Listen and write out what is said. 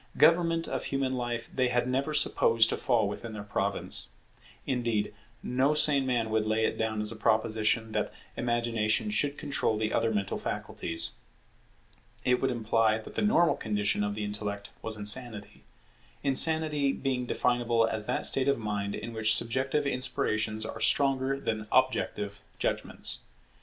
Government of human life they had never supposed to fall within their province. Indeed no sane man would lay it down as a proposition that Imagination should control the other mental faculties. It would imply that the normal condition of the intellect was insanity; insanity being definable as that state of mind in which subjective inspirations are stronger than objective judgments.